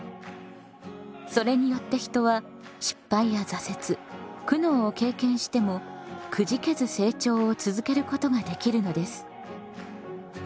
それによって人は失敗や挫折苦悩を経験してもくじけず成長を続けることができるのです。